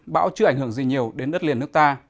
bão chưa ảnh hưởng gì nhiều đến đất liền nước ta